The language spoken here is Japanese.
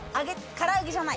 から揚げじゃない。